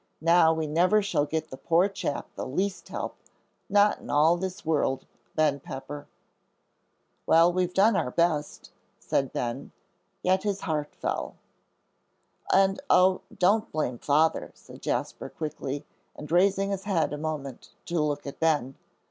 "Now we never shall get the poor chap the least help; not in all this world, Ben Pepper!" "Well, we've done our best," said Ben, yet his heart fell. "And, oh, don't blame Father," said Jasper, quickly, and raising his head a moment to look at Ben.